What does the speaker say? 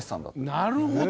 なるほど。